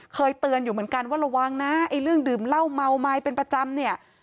เคยเตือนอยู่เหมือนกันว่าระวังนะไอ้เรื่องดื่มเหล้าเมาไม้เป็นประจำเนี่ย